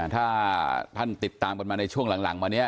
ถ้าท่านติดตามกันมาในช่วงหลังมาเนี่ย